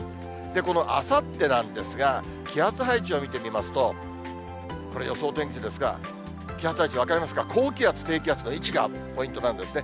このあさってなんですが、気圧配置を見てみますと、これ、予想天気図ですが、気圧配置、分かりますか、高気圧、低気圧の位置がポイントなんですね。